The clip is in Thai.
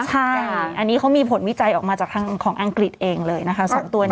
อันนี้เขามีผลวิจัยออกมาจากทางของอังกฤษเองเลยนะคะ๒ตัว